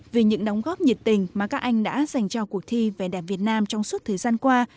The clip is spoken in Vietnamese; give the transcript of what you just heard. vì những đóng góp nhiệt tình mà các anh đã dành cho cuộc thi về đẹp việt nam trong suốt thời gian qua